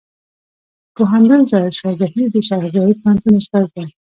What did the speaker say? پوهندوی ظاهر شاه زهير د شیخ زايد پوهنتون استاد دی.